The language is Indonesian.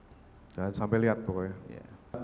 jangan sampai lihat pokoknya